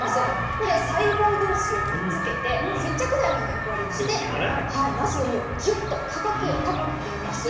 これ細胞同士をくっつけて接着剤のような役割をしてなすの身をギュッとかたく保っています。